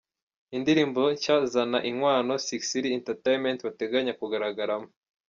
Indirimbo nshya Zana Inkwano Sick City Entertainment bateganya kugaragaramo:.